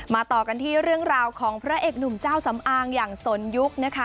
ต่อกันที่เรื่องราวของพระเอกหนุ่มเจ้าสำอางอย่างสนยุคนะคะ